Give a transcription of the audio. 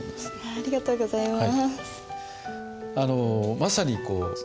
ありがとうございます。